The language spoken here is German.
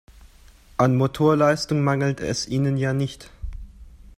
An Motorleistung mangelt es ihnen ja nicht.